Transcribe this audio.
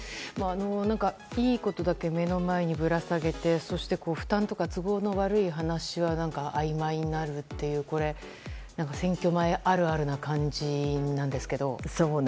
いいことだけ目の前にぶら下げてそして、負担とか都合の悪い話はあいまいになるという選挙前あるあるな感じなんですけど。